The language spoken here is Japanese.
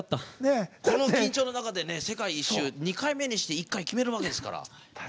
この緊張の中で世界一周２回目にして１回、決めるわけですから。